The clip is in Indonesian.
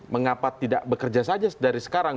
mengapa tidak bekerja saja dari sekarang